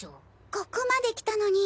ここまで来たのに。